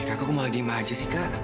kak ya kakak mau lagi di rumah aja sih kak